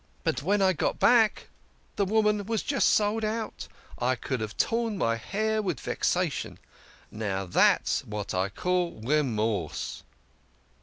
But when I got back the woman was just sold out. I could THE KING OF SCHNORRERS. 85 have torn my hair with vexation. Now, that's what I call Remorse."